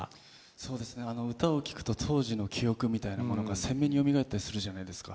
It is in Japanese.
そうですね歌を聴くと当時の記憶みたいなものが鮮明によみがえったりするじゃないですか。